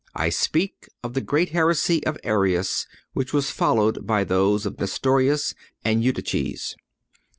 I speak of the great heresy of Arius, which was followed by those of Nestorius and Eutyches.